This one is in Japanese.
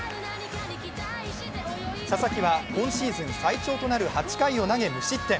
佐々木は今シーズン最長となる８回を投げ無失点。